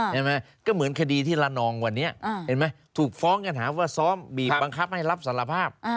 เห็นไหมก็เหมือนคดีที่ละนองวันนี้เห็นไหมถูกฟ้องกันหาว่าซ้อมบีบบังคับให้รับสารภาพ